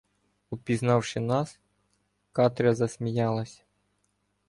Упізнавши нас, Катря засміялася.